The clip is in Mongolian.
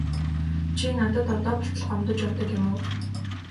Чи надад одоо болтол гомдож явдаг юм уу?